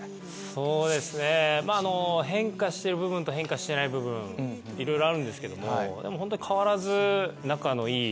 そうですね変化してる部分と変化してない部分いろいろあるんですけどもでもホントに。